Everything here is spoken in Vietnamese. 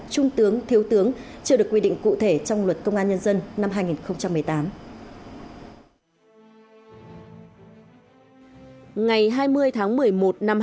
trung tướng thiếu tướng chưa được quy định cụ thể trong luật công an nhân dân năm hai nghìn một mươi tám